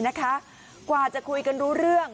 กว่าจะคุยกันรู้เรื่อง